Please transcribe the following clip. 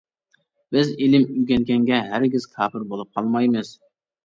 بىز ئىلىم ئۆگەنگەنگە ھەرگىز كاپىر بولۇپ قالمايمىز.